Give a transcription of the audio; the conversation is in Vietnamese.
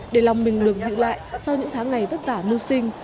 để lòng mình được giữ lại sau những tháng ngày vất vả mưu sinh